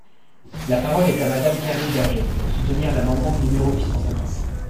La parole est à Madame Karine Berger, pour soutenir l’amendement numéro huit cent cinquante.